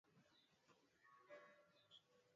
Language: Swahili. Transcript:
Sipendi kuchanganya vyakula tofauti.